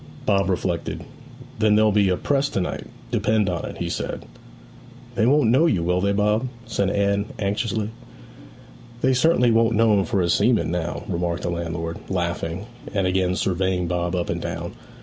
Bob reflected. 'Then there'll be a press to night; depend upon it,' he said. 'They won't know you, will they, Bob?' said Anne anxiously. 'They certainly won't know him for a seaman now,' remarked the landlord, laughing, and again surveying Bob up and down.